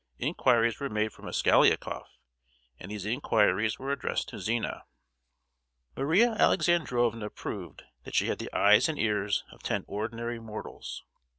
Inquiries were made for Mosgliakoff; and these inquiries were addressed to Zina. Maria Alexandrovna proved that she had the eyes and ears of ten ordinary mortals.